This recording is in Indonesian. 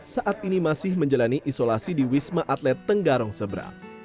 saat ini masih menjalani isolasi di wisma atlet tenggarong seberang